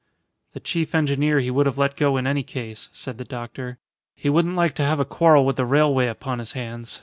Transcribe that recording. "The chief engineer he would have let go in any case," said the doctor. "He wouldn't like to have a quarrel with the railway upon his hands.